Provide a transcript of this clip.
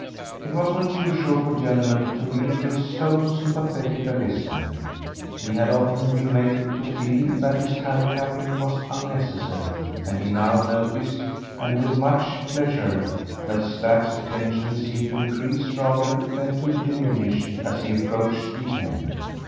It was not usual for Journeyman to meet with so sympathetic a listener; he had often been made to feel that his handicapping was unnecessary, and he now noticed, and with much pleasure, that Stack's attention seemed to increase rather than to diminish as he approached the end.